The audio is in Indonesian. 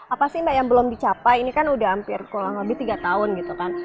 apa sih mbak yang belum dicapai ini kan udah hampir kurang lebih tiga tahun gitu kan